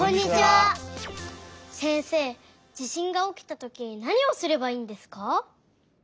せんせい地しんがおきたときなにをすればいいんですか？